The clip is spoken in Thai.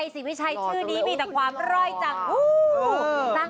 ที่มีค่าตมนาค่าอะไรก็ขอตาม